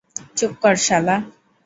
চুপ কর শালা!